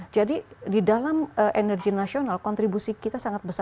jadi di dalam energi nasional kontribusi kita sangat besar